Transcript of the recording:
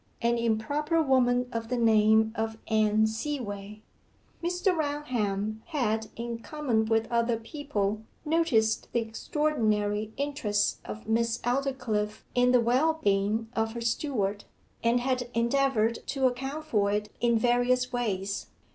'An improper woman of the name of Anne Seaway.' Mr. Raunham had, in common with other people, noticed the extraordinary interest of Miss Aldclyffe in the well being of her steward, and had endeavoured to account for it in various ways.